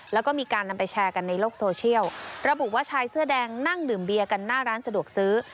แล้วก็มีการนำไปแชร์กันในโลกโซเชียลระบุว่าชายเสื้อแดงนั่งดื่มเบียร์กันหน้าร้านสะดวกซื้อ